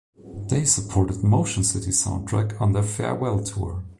They supported Motion City Soundtrack on their farewell tour.